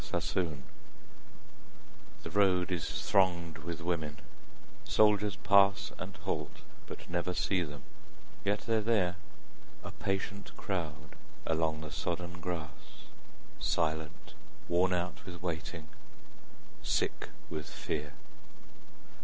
_ THE ROAD The road is thronged with women; soldiers pass And halt, but never see them; yet they're here A patient crowd along the sodden grass, Silent, worn out with waiting, sick with fear.